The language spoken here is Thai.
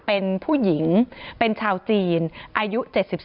เป็นผู้หญิงเป็นชาวจีนอายุ๗๒